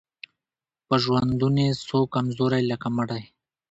په ژوندوني سو کمزوری لکه مړی